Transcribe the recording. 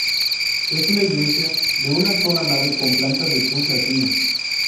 Es una iglesia de una sola nave con planta de cruz latina.